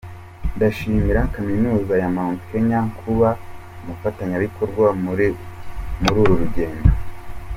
Ndashimira Kaminuza ya Mount Kenya kuba ari umufatanyabikorwa muri uru rugendo.